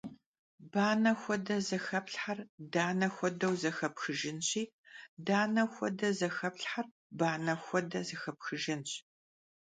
Bane xuede zexeplhher dane xuedeu zexepxıjjınşi, dane xuede zexeplhher bane xuede zexepxıjjınş.